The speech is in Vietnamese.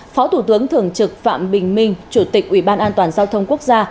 phó thủ tướng thường trực phạm bình minh chủ tịch uban giao thông quốc gia